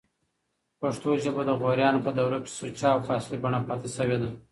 پښتو ژبه دغوریانو په دوره کښي سوچه او په اصلي بڼه پاته سوې ده.